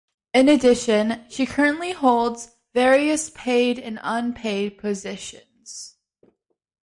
In addition, she currently holds various paid and unpaid positions.